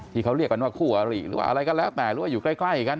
ที่เขาเรียกกันว่าคู่อริหรือว่าอะไรก็แล้วแต่หรือว่าอยู่ใกล้กัน